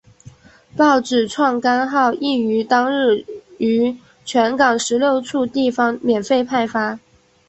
报纸创刊号亦于当日于全港十六处地方免费派发。